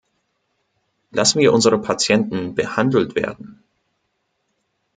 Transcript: Lassen wir unsere Patienten behandelt werden.